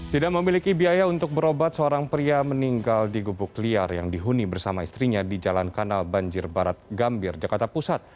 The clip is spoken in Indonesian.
tidak memiliki biaya untuk berobat seorang pria meninggal di gubuk liar yang dihuni bersama istrinya di jalan kanal banjir barat gambir jakarta pusat